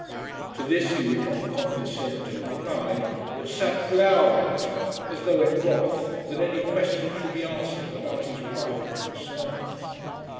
To this he would not condescend to reply, but sat glowering at her as though in wrath that any question should be asked him about his private concerns.